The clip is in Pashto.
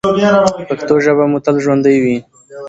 پښتو ژبه مو تل ژوندۍ وي.